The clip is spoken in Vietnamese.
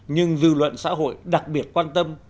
nhưng dư luận xã hội đặc biệt quan tâm